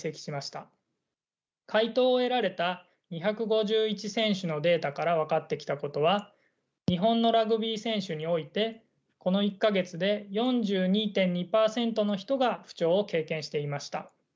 回答を得られた２５１選手のデータから分かってきたことは日本のラグビー選手においてこの１か月で４２．２％の人が不調を経験していました。